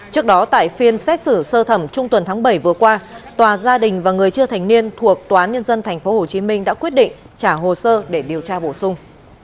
trước đó tại phiên xét xử sơ thẩm trung tuần tháng bảy vừa qua tòa gia đình và người chưa thành niên thuộc tòa án nhân dân tp hcm đã quyết định trả hồ sơ để điều tra bổ sung